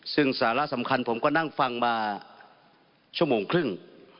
ซึ่งสาระสำคัญผมก็นั่งฟังมาชั่วโมงครึ่ง